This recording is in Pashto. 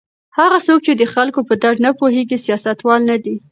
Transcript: هغه څوک چې د خلکو په درد نه پوهیږي سیاستوال نه دی.